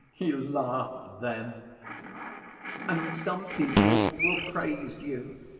he laughed then)—'and some people will praise you.